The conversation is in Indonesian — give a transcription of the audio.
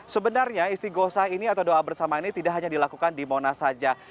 sebenarnya isti gosah ini atau doa bersama ini tidak hanya dilakukan di mona saja